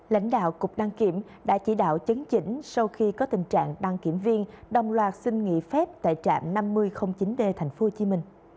lãnh đạo cục đăng kiểm đã chỉ đạo chứng chỉnh sau khi có tình trạng đăng kiểm viên đồng loạt xin nghỉ phép tại trạm năm mươi chín d tp hcm